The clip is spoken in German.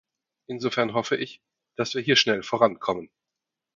Insofern hoffe ich, dass wir hier schnell vorankommen.